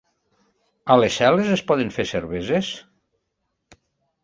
A les cel·les es poden fer cerveses?